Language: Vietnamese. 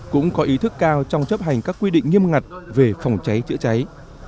cũng có ý thức cao trong chấp hành các quy định nghiêm ngặt về phòng cháy chữa cháy